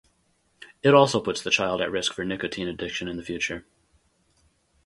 It also puts the child at risk for nicotine addiction in the future.